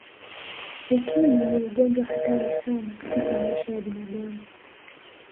Ukimwi ni ugonjwa hatari sana katika maisha ya binadamu